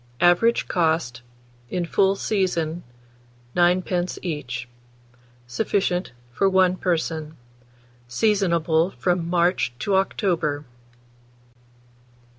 Average cost, in full season, 9d. each. Sufficient for 1 person. Seasonable from March to October.